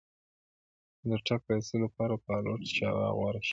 د ټکټ را ایستلو لپاره فالوټ چاواوا غوره شوی و.